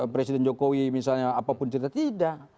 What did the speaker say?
presiden jokowi misalnya apapun cerita tidak